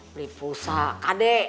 beli pulsa kade